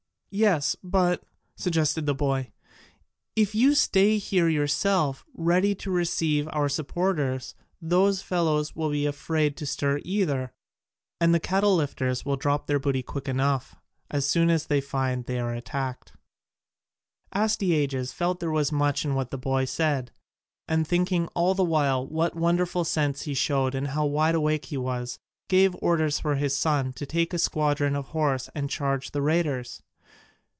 "Yes, but," suggested the boy, "if you stay here yourself, ready to receive our supporters, those fellows will be afraid to stir either, and the cattle lifters will drop their booty quick enough, as soon as they find they are attacked." Astyages felt there was much in what the boy said, and thinking all the while what wonderful sense he showed and how wide awake he was, gave orders for his son to take a squadron of horse and charge the raiders.